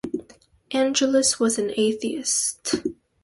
Angeles was an atheist.